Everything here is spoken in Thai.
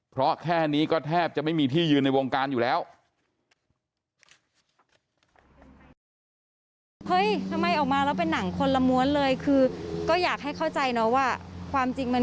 เพราะแค่นี้ก็แทบจะไม่มีที่ยืนในวงการอยู่แล้ว